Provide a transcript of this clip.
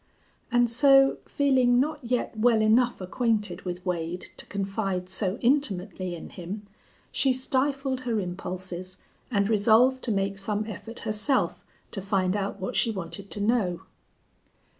And so, feeling not yet well enough acquainted with Wade to confide so intimately in him, she stifled her impulses and resolved to make some effort herself to find out what she wanted to know.